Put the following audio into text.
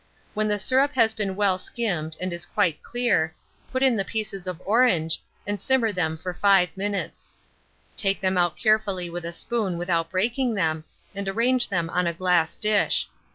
When the syrup has been well skimmed, and is quite clear, put in the pieces of orange, and simmer them for 5 minutes. Take them out carefully with a spoon without breaking them, and arrange them on a glass dish.